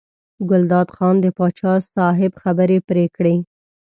ګلداد خان د پاچا صاحب خبرې پرې کړې.